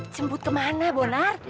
jemput kemana bonar